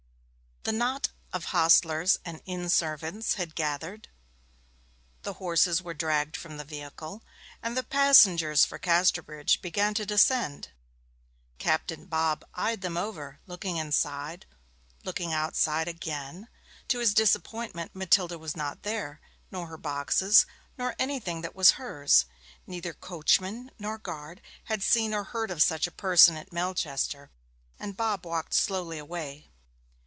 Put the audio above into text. The knot of hostlers and inn servants had gathered, the horses were dragged from the vehicle, and the passengers for Casterbridge began to descend. Captain Bob eyed them over, looked inside, looked outside again; to his disappointment Matilda was not there, nor her boxes, nor anything that was hers. Neither coachman nor guard had seen or heard of such a person at Melchester; and Bob walked slowly away.